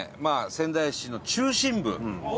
仙台市の中心部。